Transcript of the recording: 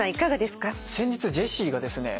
先日ジェシーがですね